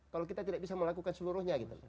kalau kita tidak bisa melakukan seluruhnya gitu loh